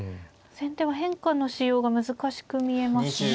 先手は変化のしようが難しく見えますね。